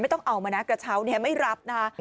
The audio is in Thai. ไม่ต้องเอามานะเกือบเช้าไม่รับนะฮะ